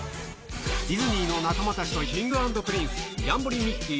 ディズニーの仲間たちとＫｉｎｇ＆Ｐｒｉｎｃｅ、ジャンボリミッキー！